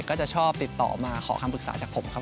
ก็จะชอบติดต่อมาขอคำปรึกษาจากผมครับ